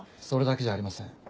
それだけじゃありません。